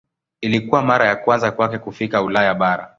Ilikuwa mara ya kwanza kwake kufika Ulaya bara.